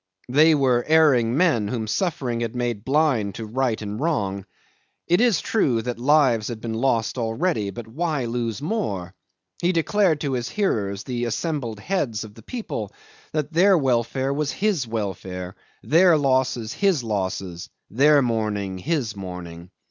They were erring men whom suffering had made blind to right and wrong. It is true that lives had been lost already, but why lose more? He declared to his hearers, the assembled heads of the people, that their welfare was his welfare, their losses his losses, their mourning his mourning.